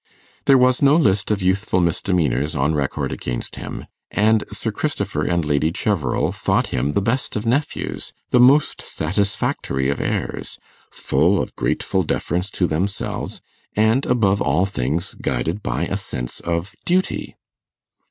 There was no list of youthful misdemeanours on record against him, and Sir Christopher and Lady Cheverel thought him the best of nephews, the most satisfactory of heirs, full of grateful deference to themselves, and, above all things, guided by a sense of duty.